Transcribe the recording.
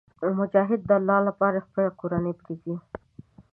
مجاهد د الله لپاره خپله کورنۍ پرېږدي.